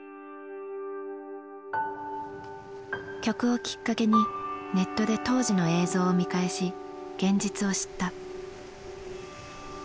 曲をきっかけにネットで当時の映像を見返し現実を知った。